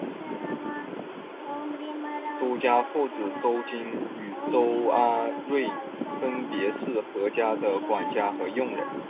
周家父子周金与周阿瑞分别是何家的管家和佣工。